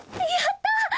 やった！